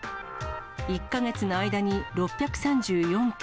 １か月の間に６３４件。